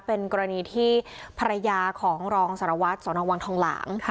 เป็นกรณีที่ภรรยาของรองสรวจสวนองค์วังทองหลัง